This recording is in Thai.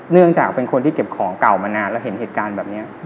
เนื่องจากเป็นคนที่เก็บของเก่ามานานแล้วเห็นเหตุการณ์แบบนี้